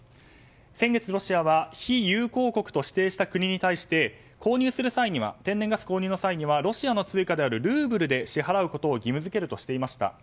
先月ロシアは非友好国と指定した国に対して天然ガス購入の際にはロシアの通貨であるルーブルで支払うことを義務付けるとしていました。